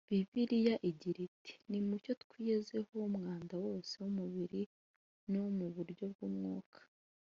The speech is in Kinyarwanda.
Bibiliya igira iti “ Ni mucyo twiyezeho umwanda wose w’umubiri n’uwo mu buryo bw’umwuka